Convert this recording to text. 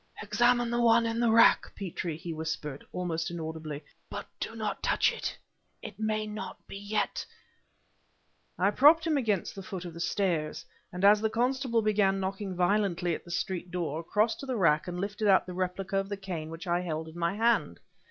"Examine the one in the rack, Petrie," he whispered, almost inaudibly, "but do not touch it. It may not be yet...." I propped him up against the foot of the stairs, and as the constable began knocking violently at the street door, crossed to the rack and lifted out the replica of the cane which I held in my hand.